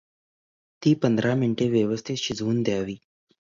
ती पंधरा मिनिटे व्यवस्थित शिजवून दयावी.